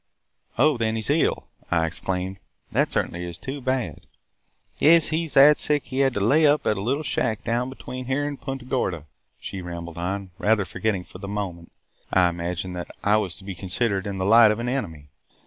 "'Oh, then he 's ill!' I exclaimed. 'That certainly is too bad!' "'Yes, he 's that sick he had to lay up at a little shack down between here an' Punta Gorda,' she rambled on, rather forgetting for the moment, I imagine, that I was to be considered in the light of an enemy.